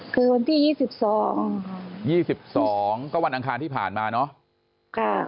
คือวันที่๒๒๒ก็วันอังคารที่ผ่านมาเนาะ